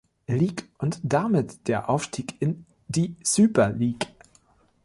Lig und damit der Aufstieg in die Süper Lig.